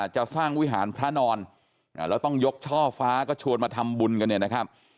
จะสร้างวิหารพระนอนแล้วต้องยกช่อฟ้าก็ชวนมาทำบุญกันเนี่ยนะครับ